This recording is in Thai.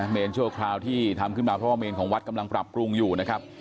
เนรชั่วคราวที่ทำขึ้นมาเพราะว่าเมนของวัดกำลังปรับปรุงอยู่นะครับ